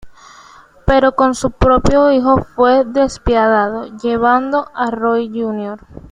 Pero con su propio hijo fue despiadado, llevando a Roy Jr.